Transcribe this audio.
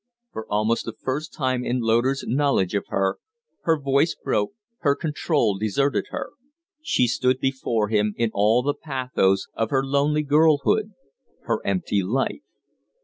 For almost the first time in Loder's knowledge of her, her voice broke, her control deserted her. She stood before him in all the pathos of her lonely girlhood her empty life.